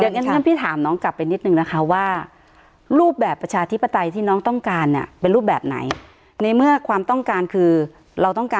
เดี๋ยวหนั้งพี่ถามน้องกลับไปนิดนึงนะคะ